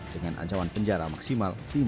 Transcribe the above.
dengan ancaman penjara maksimal lima belas tahun